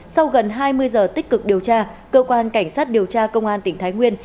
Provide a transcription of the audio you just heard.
sau gần hai mươi giờ tích cực điều tra cơ quan cảnh sát điều tra công an tỉnh thái nguyên